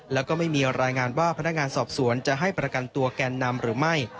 แล้วก็ไม่มีรายงานว่าพนักงานสอบสวนจะให้ประกันตัวแกนนำหรือไม่